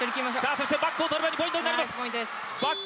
そしてバックを取れば２ポイントになります。